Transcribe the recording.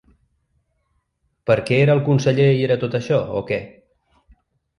¿Per què era el conseller i era tot això o què?